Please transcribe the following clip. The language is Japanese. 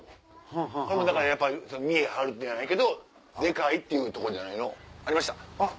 これも見え張るじゃないけどでかいっていうとこじゃないの。ありました。